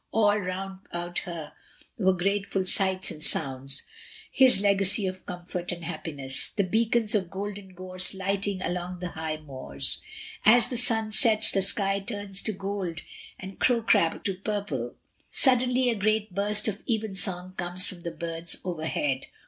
All round about her were grateful sights and sounds, his legacy of comfort and happiness. The beacons of golden gorse lighting along the high moors; as the sun sets, the sky turns to gold and Crowcrag to purple. Suddenly a great burst of evensong comes from the birds overhead.